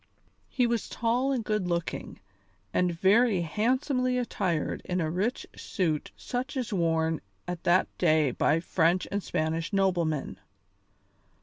He was tall and good looking, and very handsomely attired in a rich suit such as was worn at that day by French and Spanish noblemen.